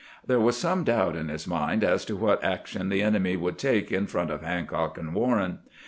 There was some doubt in his mind as to what action the enemy would take in front of Hancock and Warren.